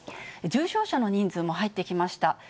重症者の人数も入ってきました。